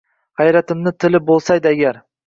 Hayratimning tili bo’lsaydi agar